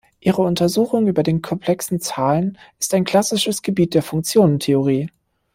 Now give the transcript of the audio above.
Ihre Untersuchung über den komplexen Zahlen ist ein klassisches Gebiet der Funktionentheorie.